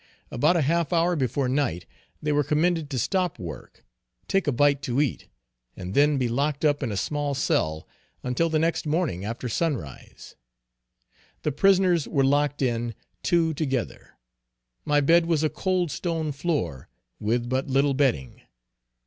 About a half hour before night they were commanded to stop work, take a bite to eat, and then be locked up in a small cell until the next morning after sunrise. The prisoners were locked in, two together. My bed was a cold stone floor with but little bedding!